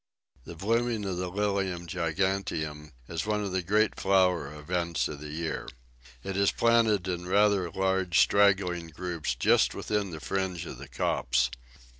The blooming of the Lilium giganteum is one of the great flower events of the year. It is planted in rather large straggling groups just within the fringe of the copse.